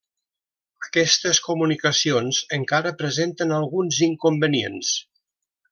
Aquestes comunicacions encara presenten alguns inconvenients.